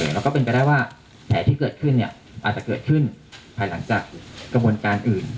แล้วก็เป็นไปได้ว่าแผลที่เกิดขึ้นอาจจะเกิดขึ้นภายหลังจากกระบวนการอื่น